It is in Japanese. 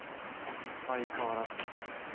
・相変わらずですね。